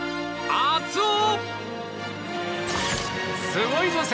熱男！